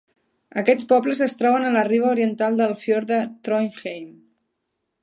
Aquests pobles es troben a la riba oriental del fiord de Trondheim.